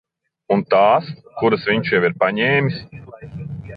Un tās, kuras viņš jau ir paņēmis?